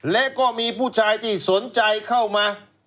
และก็มีผู้ชายที่สนใจเข้ามา